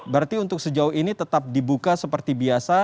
berarti untuk sejauh ini tetap dibuka seperti biasa